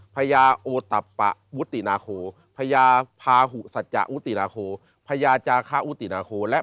พญาโอตะปะวุตินาโคพญาพาหุสัจจะอุตินาโคพญาจาคาอุตินาโคและ